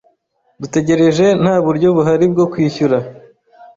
dutegereje nta buryo buhari bwo kwishyura